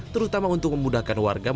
terutama untuk memudahkan warga